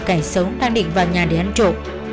cả sống đang định vào nhà để ăn trộn